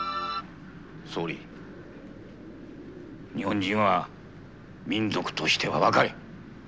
総理日本人は民族としては若い。